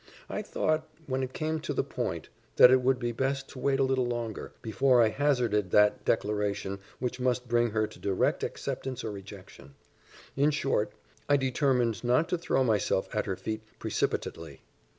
I thought, when it came to the point, that it would be best to wait a little longer, before I hazarded that declaration which must bring her to direct acceptance or rejection; in short, I determined not to throw myself at her feet precipitately.